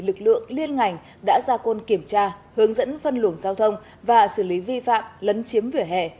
lực lượng liên ngành đã ra côn kiểm tra hướng dẫn phân luồng giao thông và xử lý vi phạm lấn chiếm vỉa hè